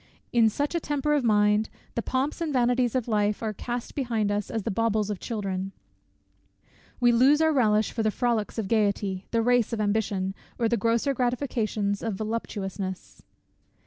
In such a temper of mind, the pomps and vanities of life are cast behind us as the baubles of children. We lose our relish for the frolics of gaiety, the race of ambition, or the grosser gratifications of voluptuousness.